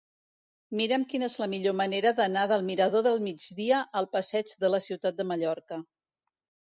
Mira'm quina és la millor manera d'anar del mirador del Migdia al passeig de la Ciutat de Mallorca.